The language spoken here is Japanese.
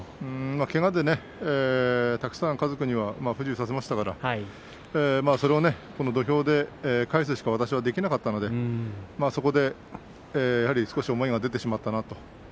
けがでたくさん家族には不自由させましたからそれを、この土俵で返すしか私はできなかったのでそこで、やはり少し思いが出てしまったなと。